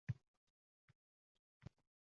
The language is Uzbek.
seriallar yoqadi.